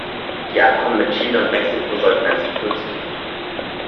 Die Abkommen mit Chile und Mexiko sollten als Impuls dienen.